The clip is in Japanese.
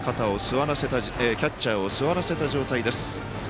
キャッチャーを座らせた状態です。